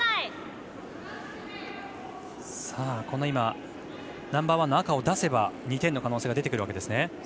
今ナンバーワンの赤を出せば２点の可能性が出てくるわけです。